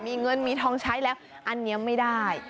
มีเงินมีทองใช้แล้วอันนี้ไม่ได้